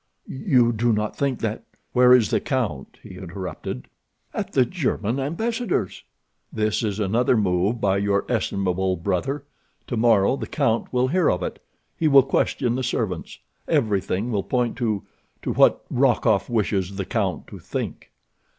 You do not think that—" "Where is the count?" he interrupted. "At the German ambassador's." "This is another move by your estimable brother. Tomorrow the count will hear of it. He will question the servants. Everything will point to—to what Rokoff wishes the count to think."